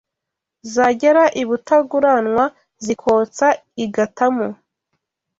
Zagera i Butanguranwa zikotsa i Gatamu